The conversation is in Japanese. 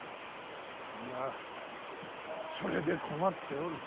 みんなそれで困っておる。